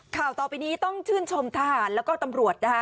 ข่าวต่อไปนี้ต้องชื่นชมทหารแล้วก็ตำรวจนะคะ